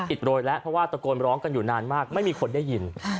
โรยแล้วเพราะว่าตะโกนร้องกันอยู่นานมากไม่มีคนได้ยิน